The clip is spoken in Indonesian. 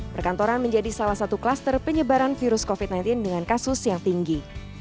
perkantoran menjadi salah satu kluster penyebaran virus covid sembilan belas dengan kasus yang tinggi